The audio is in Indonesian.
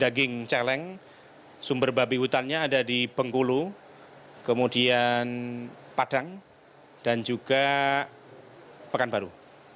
daging celeng sumber babi hutannya ada di bengkulu kemudian padang dan juga pekanbaru